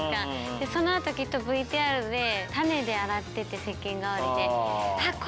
でそのあときっとＶＴＲで種で洗っててせっけん代わりで。